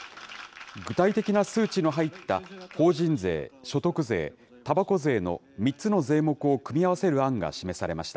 具体的な数値の入った法人税、所得税、たばこ税の３つの税目を組み合わせる案が示されました。